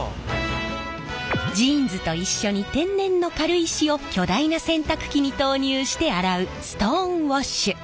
ジーンズと一緒に天然の軽石を巨大な洗濯機に投入して洗うストーンウォッシュ。